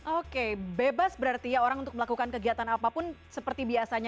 oke bebas berarti ya orang untuk melakukan kegiatan apapun seperti biasanya